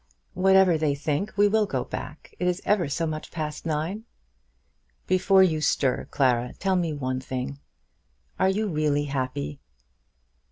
"Whatever they think, we will go back. It is ever so much past nine." "Before you stir, Clara, tell me one thing. Are you really happy?"